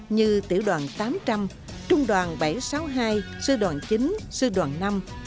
như tiểu đoàn tám trăm linh trung đoàn bảy trăm sáu mươi hai sư đoàn chín sư đoàn năm